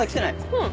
うん。